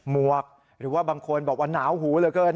หวกหรือว่าบางคนบอกว่าหนาวหูเหลือเกิน